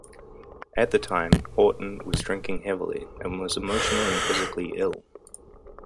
At the time, Horton was drinking heavily and was emotionally and physically ill.